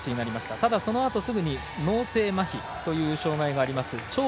ただ、そのあとすぐに脳性まひという障がいがあります